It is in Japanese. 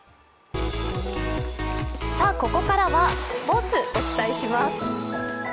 ここからはスポ−ツ、お伝えします。